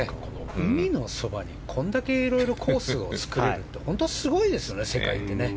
海のそばに、これだけいろいろコースを造れるって本当にすごいですね、世界は。